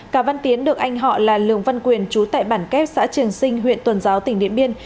cả văn tiến được anh họ là lường văn quyền chú tại bản kép xã trường sinh huyện tuần giáo tỉnh điện biên